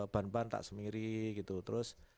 ban ban tak semiri gitu terus